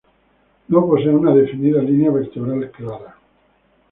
No posee una definida línea vertebral clara.